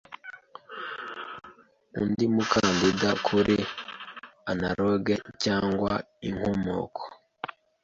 Undi mukandida kuri analogue cyangwa inkomoko